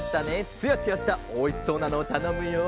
つやつやしたおいしそうなのをたのむよ。